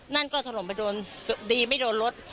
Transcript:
นั่นก็ถล่มไปโดนดีไม่โดนรถ